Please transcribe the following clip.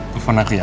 telepon aku ya